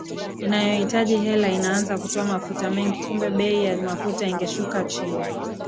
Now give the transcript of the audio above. inayohitaji hela inaanza kutoa mafuta mengi kumbe bei ya mafuta ingeshuka chini